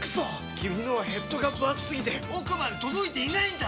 君のはヘッドがぶ厚すぎて奥まで届いていないんだっ！